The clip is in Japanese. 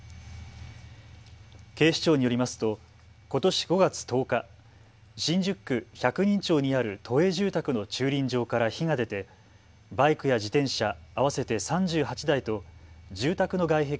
警視庁によりますとことし５月１０日、新宿区百人町にある都営住宅の駐輪場から火が出てバイクや自転車合わせて３８台と住宅の外壁